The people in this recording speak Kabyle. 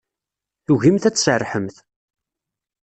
Tugimt ad tserrḥemt.